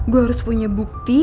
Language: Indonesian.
gue harus punya bukti